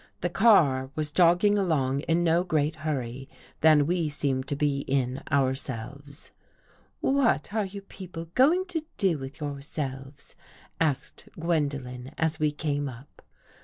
The car was jogging along in no greater hurry than we seemed to be in our selves. " What are you people going to do with your selves?" asked Gwendolen as we came up.